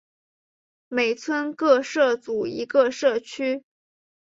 每村各设组一个社区。